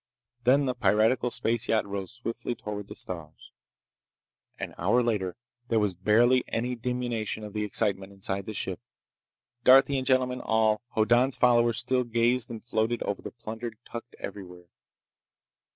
Then the piratical space yacht rose swiftly toward the stars. An hour later there was barely any diminution of the excitement inside the ship. Darthian gentlemen all, Hoddan's followers still gazed and floated over the plunder tucked everywhere.